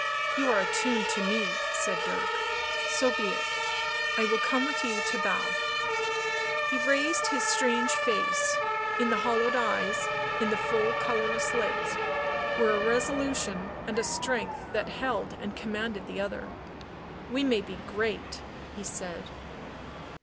" You are a tune to me," said Dirk. "So be it. I will come with you to Basle." He raised his strange face ; in the hollowed eyes, in the full colourless lips, were a resolution and a strength that held and commanded the other. "We may be great," he said.